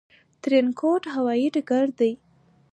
ترينکوټ هوايي ډګر دى